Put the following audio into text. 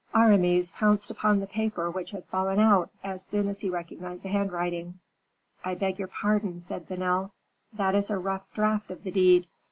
Aramis pounced upon the paper which had fallen out, as soon as he recognized the handwriting. "I beg your pardon," said Vanel, "that is a rough draft of the deed."